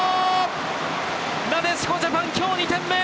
なでしこジャパン、今日２点目！